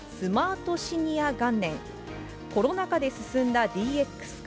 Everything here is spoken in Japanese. コロナ禍で進んだＤＸ化、